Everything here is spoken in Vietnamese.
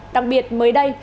đặc biệt mới đây